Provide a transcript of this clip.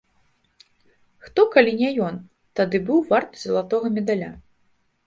Хто, калі не ён, тады быў варты залатога медаля?